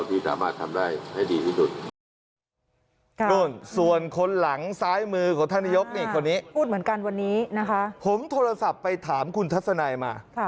ผมโทรศัพท์ไปถามคุณทัศนายมา